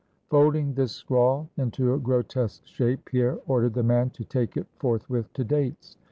Folding this scrawl into a grotesque shape, Pierre ordered the man to take it forthwith to Dates.